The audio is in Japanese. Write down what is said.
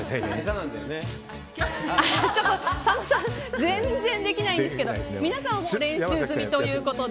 佐野さん全然できないんですけど皆さんは練習済みということで。